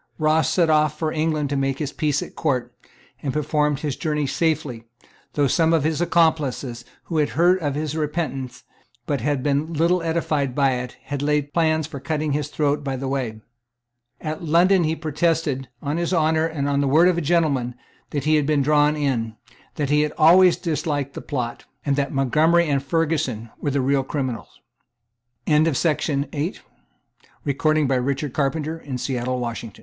Ross set off for England to make his peace at court, and performed his journey in safety, though some of his accomplices, who had heard of his repentance, but had been little edified by it, had laid plans for cutting his throat by the way. At London he protested, on his honour and on the word of a gentleman, that he had been drawn in, that he had always disliked the plot, and that Montgomery and Ferguson were the real criminals, Dunlop was, in the mean time, magnifying, wherever